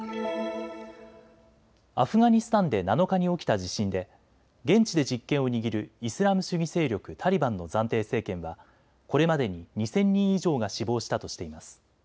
アフガニスタンで７日に起きた地震で現地で実権を握るイスラム主義勢力タリバンの暫定政権はこれまでに２０００人以上が死亡したとしています。